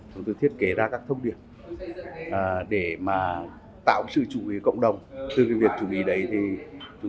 chúng tôi thiết kế ra các thông điệp để tạo sự chủ ý cộng đồng từ việc chủ ý đấy thì chúng